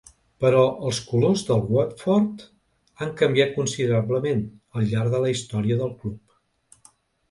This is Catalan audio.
Però els colors del Watford han canviat considerablement al llarg de la història del club.